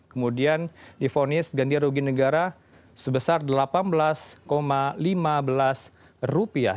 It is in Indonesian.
kemudian difonis ganti rugi negara sebesar delapan belas lima belas